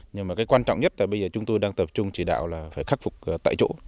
nhưng mà cái quan trọng nhất là bây giờ chúng tôi đang tập trung chỉ đạo là phải khắc phục tại chỗ